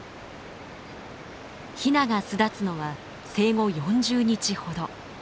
ヒナが巣立つのは生後４０日ほど。